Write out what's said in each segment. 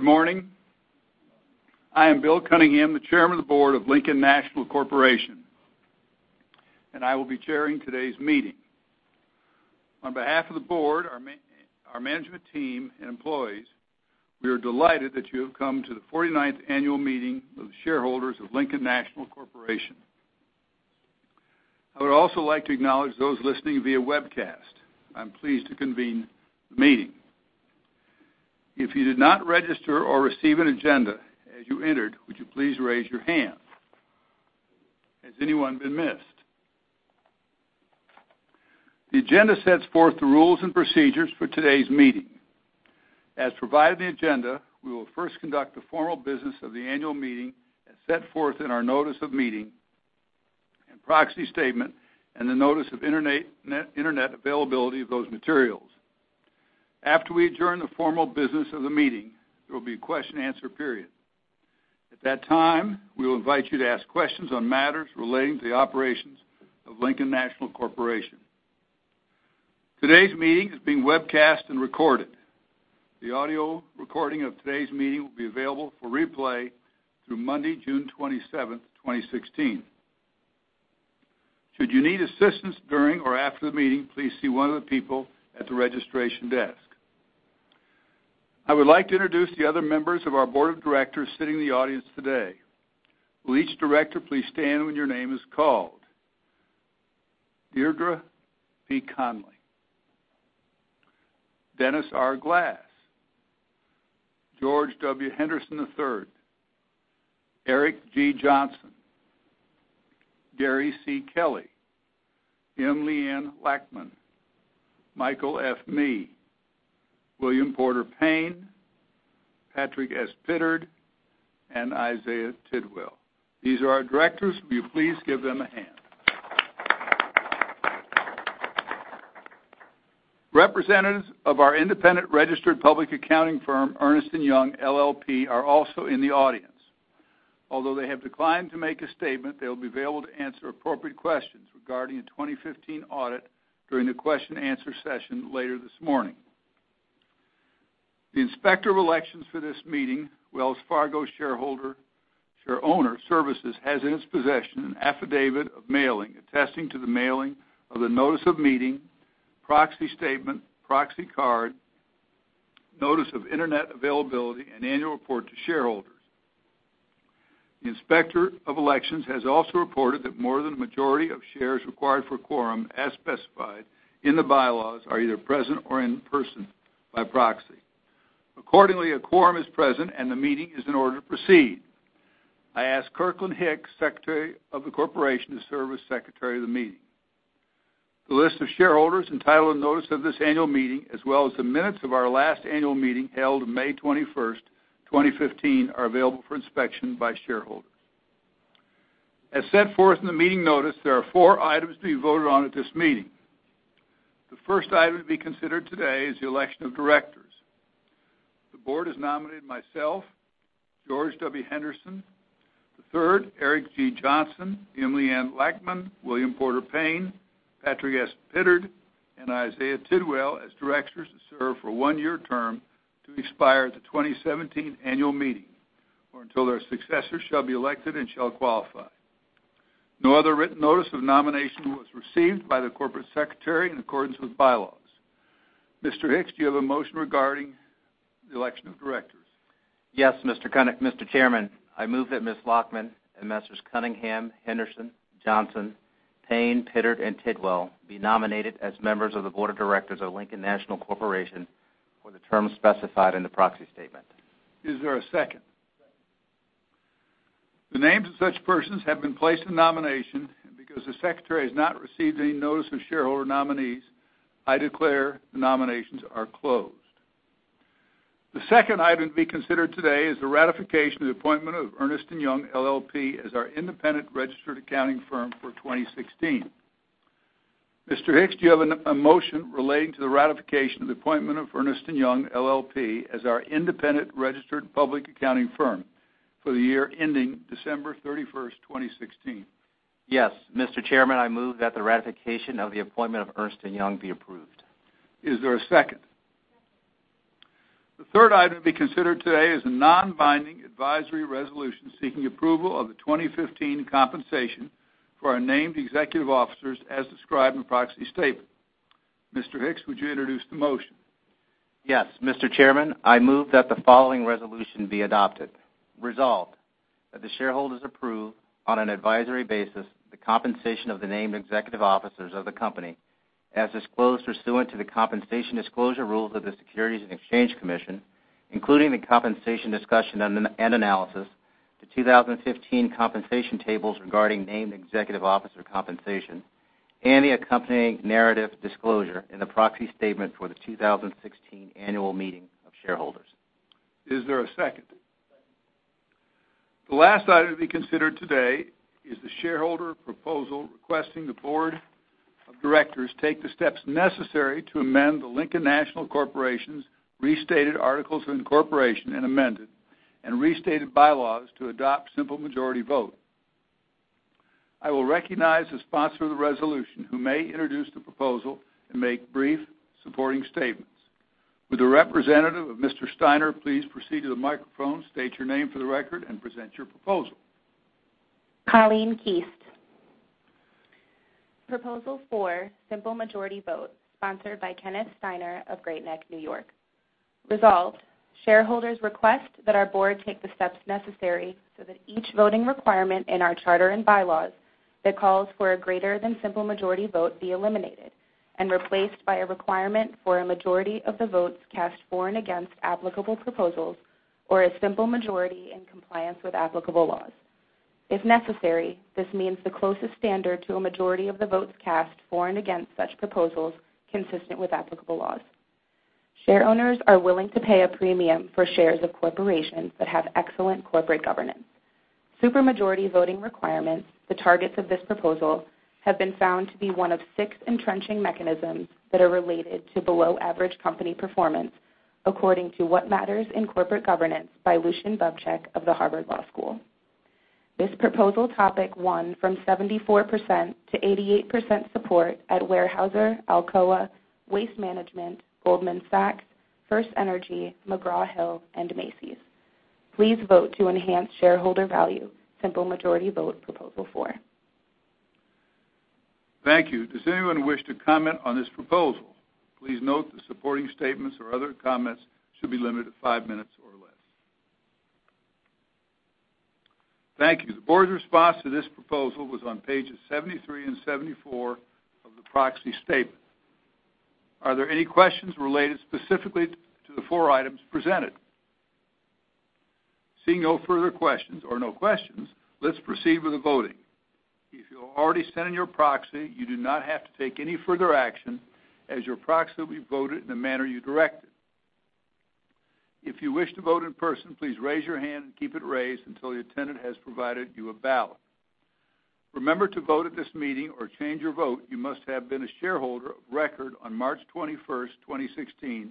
Good morning. I am Bill Cunningham, the Chairman of the Board of Lincoln National Corporation, and I will be chairing today's meeting. On behalf of the board, our management team, and employees, we are delighted that you have come to the 49th annual meeting of the shareholders of Lincoln National Corporation. I would also like to acknowledge those listening via webcast. I'm pleased to convene the meeting. If you did not register or receive an agenda as you entered, would you please raise your hand? Has anyone been missed? The agenda sets forth the rules and procedures for today's meeting. As provided in the agenda, we will first conduct the formal business of the annual meeting as set forth in our notice of meeting and proxy statement and the notice of internet availability of those materials. After we adjourn the formal business of the meeting, there will be a question and answer period. At that time, we will invite you to ask questions on matters relating to the operations of Lincoln National Corporation. Today's meeting is being webcast and recorded. The audio recording of today's meeting will be available for replay through Monday, June 27th, 2016. Should you need assistance during or after the meeting, please see one of the people at the registration desk. I would like to introduce the other members of our board of directors sitting in the audience today. Will each director please stand when your name is called? Deirdre P. Connelly. Dennis R. Glass. George W. Henderson III. Eric G. Johnson. Gary C. Kelly. M. LeAnn Lachman. Michael F. Mee. William Porter Payne. Patrick S. Pittard, and Isaiah Tidwell. These are our directors. Will you please give them a hand? Representatives of our independent registered public accounting firm, Ernst & Young LLP, are also in the audience. Although they have declined to make a statement, they will be available to answer appropriate questions regarding the 2015 audit during the question and answer session later this morning. The Inspector of Elections for this meeting, Wells Fargo Shareowner Services, has in its possession an affidavit of mailing attesting to the mailing of the notice of meeting, proxy statement, proxy card, notice of internet availability, and annual report to shareholders. The Inspector of Elections has also reported that more than the majority of shares required for quorum, as specified in the bylaws, are either present or in person by proxy. A quorum is present, and the meeting is in order to proceed. I ask Kirkland Hicks, Secretary of the Corporation, to serve as Secretary of the meeting. The list of shareholders entitled to notice of this annual meeting, as well as the minutes of our last annual meeting held May 21st, 2015, are available for inspection by shareholders. As set forth in the meeting notice, there are four items to be voted on at this meeting. The first item to be considered today is the election of directors. The board has nominated myself, George W. Henderson III, Eric G. Johnson, M. LeAnn Lachman, William Porter Payne, Patrick S. Pittard, and Isaiah Tidwell as directors to serve for a one-year term to expire at the 2017 annual meeting or until their successors shall be elected and shall qualify. No other written notice of nomination was received by the corporate secretary in accordance with bylaws. Mr. Hicks, do you have a motion regarding the election of directors? Yes, Mr. Chairman. I move that Ms. Lachman and Messrs. Cunningham, Henderson, Johnson, Payne, Pittard, and Tidwell be nominated as members of the board of directors of Lincoln National Corporation for the term specified in the proxy statement. Is there a second? Second. Because the secretary has not received any notice of shareholder nominees, I declare the nominations are closed. The second item to be considered today is the ratification of the appointment of Ernst & Young LLP as our independent registered accounting firm for 2016. Mr. Hicks, do you have a motion relating to the ratification of the appointment of Ernst & Young LLP as our independent registered public accounting firm for the year ending December 31st, 2016? Yes. Mr. Chairman, I move that the ratification of the appointment of Ernst & Young be approved. Is there a second? Second. The third item to be considered today is a non-binding advisory resolution seeking approval of the 2015 compensation for our named executive officers as described in the proxy statement. Mr. Hicks, would you introduce the motion? Yes. Mr. Chairman, I move that the following resolution be adopted. Resolved, that the shareholders approve, on an advisory basis, the compensation of the named executive officers of the company as disclosed pursuant to the compensation disclosure rules of the Securities and Exchange Commission, including the compensation discussion and analysis to 2015 compensation tables regarding named executive officer compensation, and the accompanying narrative disclosure in the proxy statement for the 2016 annual meeting of shareholders. Is there a second? Second. The last item to be considered today is the shareholder proposal requesting the board of directors take the steps necessary to amend the Lincoln National Corporation's restated articles of incorporation and amended and restated bylaws to adopt simple majority vote. I will recognize the sponsor of the resolution, who may introduce the proposal and make brief supporting statements. Will the representative of Mr. Steiner please proceed to the microphone, state your name for the record, and present your proposal? Colleen Keast. Proposal four, simple majority vote, sponsored by Kenneth Steiner of Great Neck, N.Y. Resolved, shareholders request that our board take the steps necessary so that each voting requirement in our charter and bylaws that calls for a greater than simple majority vote be eliminated and replaced by a requirement for a majority of the votes cast for and against applicable proposals, or a simple majority in compliance with applicable laws. If necessary, this means the closest standard to a majority of the votes cast for and against such proposals consistent with applicable laws. Share owners are willing to pay a premium for shares of corporations that have excellent corporate governance. Super majority voting requirements, the targets of this proposal, have been found to be one of six entrenching mechanisms that are related to below average company performance, according to What Matters in Corporate Governance by Lucian Bebchuk of the Harvard Law School. This proposal topic won from 74% to 88% support at Weyerhaeuser, Alcoa, Waste Management, Goldman Sachs, FirstEnergy, McGraw Hill, and Macy's. Please vote to enhance shareholder value, simple majority vote proposal four. Thank you. Does anyone wish to comment on this proposal? Please note that supporting statements or other comments should be limited to five minutes or less. Thank you. The board's response to this proposal was on pages 73 and 74 of the proxy statement. Are there any questions related specifically to the four items presented? Seeing no further questions, or no questions, let's proceed with the voting. If you already sent in your proxy, you do not have to take any further action, as your proxy will be voted in the manner you directed. If you wish to vote in person, please raise your hand and keep it raised until the attendant has provided you a ballot. Remember, to vote at this meeting or change your vote, you must have been a shareholder of record on March 21st, 2016,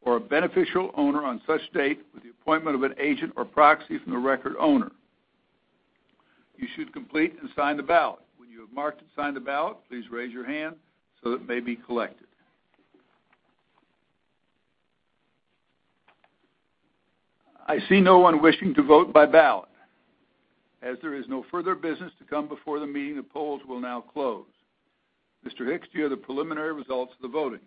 or a beneficial owner on such date with the appointment of an agent or proxy from the record owner. You should complete and sign the ballot. When you have marked and signed the ballot, please raise your hand so that it may be collected. I see no one wishing to vote by ballot. As there is no further business to come before the meeting, the polls will now close. Mr. Hicks, do you have the preliminary results of the voting?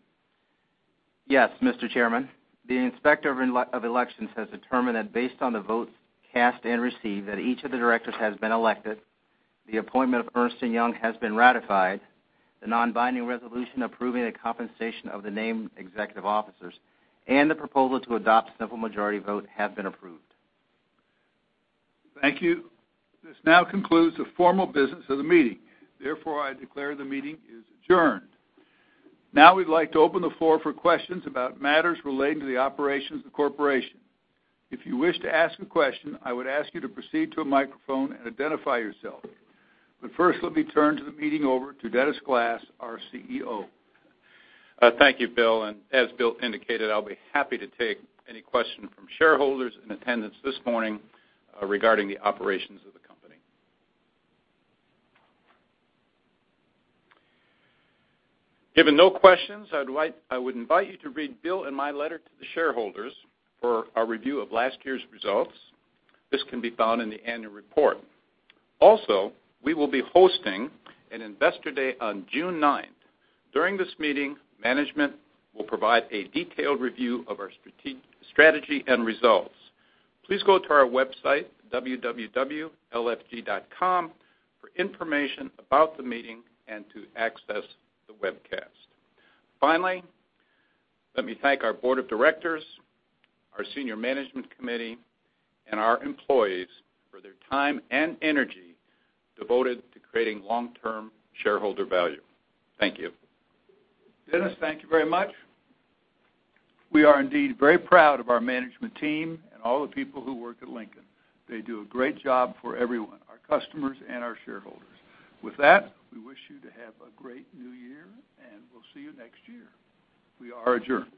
Yes, Mr. Chairman. The Inspector of Elections has determined that based on the votes cast and received, that each of the directors has been elected, the appointment of Ernst & Young has been ratified, the non-binding resolution approving the compensation of the named executive officers, and the proposal to adopt simple majority vote have been approved. Thank you. This now concludes the formal business of the meeting. Therefore, I declare the meeting is adjourned. Now we'd like to open the floor for questions about matters relating to the operations of the corporation. If you wish to ask a question, I would ask you to proceed to a microphone and identify yourself. First, let me turn the meeting over to Dennis Glass, our CEO. Thank you, Bill, and as Bill indicated, I'll be happy to take any question from shareholders in attendance this morning regarding the operations of the company. Given no questions, I would invite you to read Bill and my letter to the shareholders for a review of last year's results. This can be found in the annual report. Also, we will be hosting an investor day on June 9th. During this meeting, management will provide a detailed review of our strategy and results. Please go to our website, www.lfg.com, for information about the meeting and to access the webcast. Finally, let me thank our board of directors, our senior management committee, and our employees for their time and energy devoted to creating long-term shareholder value. Thank you. Dennis, thank you very much. We are indeed very proud of our management team and all the people who work at Lincoln. They do a great job for everyone, our customers and our shareholders. With that, we wish you to have a great new year, and we'll see you next year. We are adjourned.